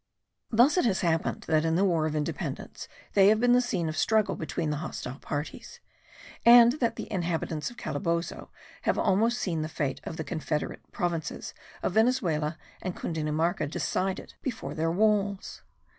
Thus it has happened that in the war of independence they have been the scene of struggle between the hostile parties; and that the inhabitants of Calabozo have almost seen the fate of the confederate provinces of Venezuela and Cundinamarca decided before their walls.